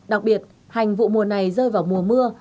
đặc biệt hành vụ mùa này rơi vào mùa mưa